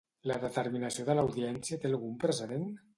La determinació de l'Audiència té algun precedent?